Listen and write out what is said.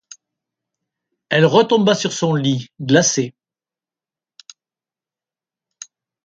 Elle retomba sur son lit, glacée.